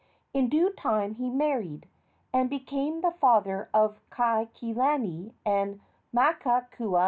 In due time he married, and became the father of Kaikilani and Makakaualii.